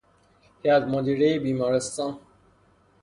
هیئت مدیرهی بیمارستان